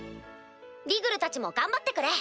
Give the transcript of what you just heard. リグルたちも頑張ってくれ！